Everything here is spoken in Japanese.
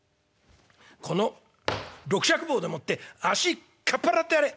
この六尺棒でもって足かっ払ってやれ」。